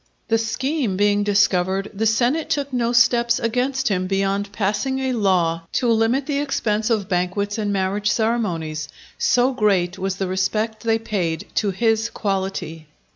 The scheme being discovered, the senate took no steps against him beyond passing a law to limit the expense of banquets and marriage ceremonies. So great was the respect they paid to his quality.